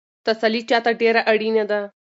تسلي چا ته ډېره اړینه ده؟